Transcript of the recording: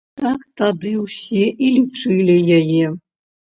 Так тады ўсе і лічылі яе.